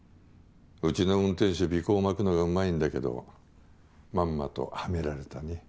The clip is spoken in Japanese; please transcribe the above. うちの運転手尾行まくのがうまいんだけどまんまとはめられたね。